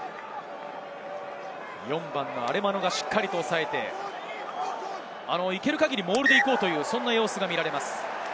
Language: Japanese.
４番のアレマノがしっかりおさえて、いける限りモールでいこうという様子が見られます。